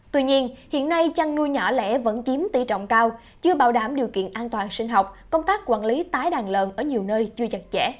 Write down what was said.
tuy nhiên hiện nay chăn nuôi nhỏ lẻ vẫn chiếm tỷ trọng cao chưa bảo đảm điều kiện an toàn sinh học công tác quản lý tái đàn lợn ở nhiều nơi chưa chặt chẽ